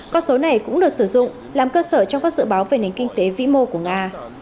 con số này cũng được sử dụng làm cơ sở trong các dự báo về nền kinh tế vĩ mô của nga